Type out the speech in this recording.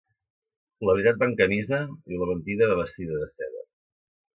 La veritat va en camisa i la mentida va vestida de seda.